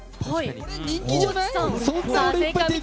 俺、人気じゃない？